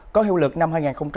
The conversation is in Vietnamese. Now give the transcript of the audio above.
có hiệu lực năm hai nghìn hai mươi